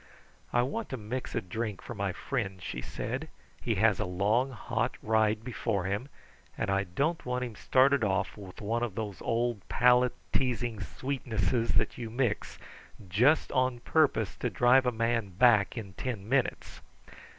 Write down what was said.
"I want to mix a drink for my friend," she said. "He has a long, hot ride before him, and I don't want him started off with one of those old palate teasing sweetnesses that you mix just on purpose to drive a man back in ten minutes."